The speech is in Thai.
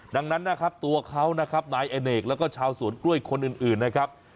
ดังนั้นนะครับตัวเขานะครับนายอเนกแล้วก็ชาวสวนกล้วยคนอื่นนะครับ